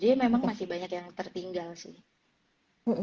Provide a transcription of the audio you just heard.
jadi memang masih banyak yang tertinggal sih